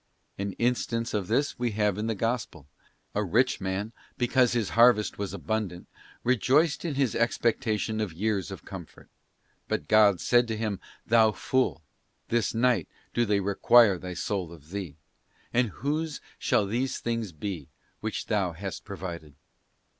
'{ An instance of this we have in the Gospel. A rich man, because his harvest was abundant, rejoiced in his expectation of years of comfort :* But God said to him, Thou fool, this night do they require thy soul of thee; and whose shall those things be which thou hast provided